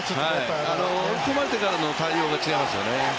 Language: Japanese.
追い込まれてからの対応が違いますよね。